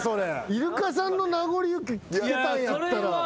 イルカさんの『なごり雪』聴けたんやったら。